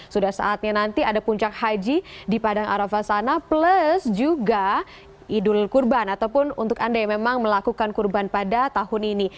sudah saatnya nanti ada puncak haji di padang arafah sana plus juga idul kurban ataupun untuk anda yang memang melakukan kurban pada tahun ini